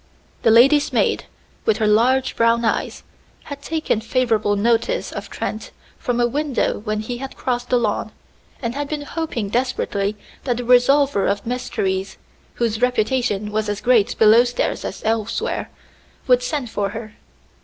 The lady's maid, with her large brown eyes, had taken favorable notice of Trent from a window when he had crossed the lawn, and had been hoping desperately that the resolver of mysteries (whose reputation was as great below stairs as elsewhere) would send for her.